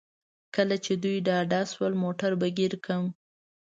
کله چې دوی ډاډه شول موټر به ګیر کړم.